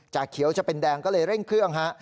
เขียวจะเป็นแดงก็เลยเร่งเครื่องฮะ